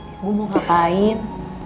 ibu mau ngapain